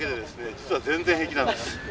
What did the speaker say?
実は全然平気なんです。